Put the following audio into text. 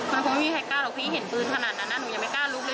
มันคงไม่มีใครกล้าหรอกพี่เห็นปืนขนาดนั้นหนูยังไม่กล้าลุกเลย